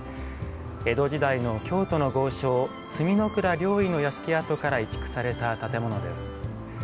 江戸時代の京都の豪商角倉了以の屋敷跡から移築された建物です。